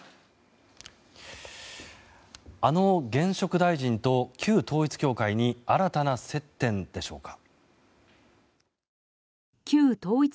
あの現職大臣と旧統一教会に新たな接点でしょうか。